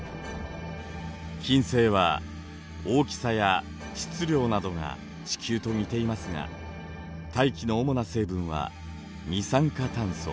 金星は大きさや質量などが地球と似ていますが大気の主な成分は二酸化炭素。